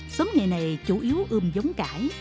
xóm nghề này chủ yếu ươm giống cải